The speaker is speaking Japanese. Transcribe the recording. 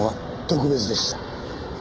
特別でした。